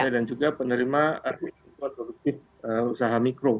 dan juga penerima arus produk usaha mikro